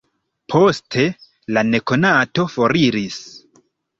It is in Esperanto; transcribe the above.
Poste, la nekonato foriris.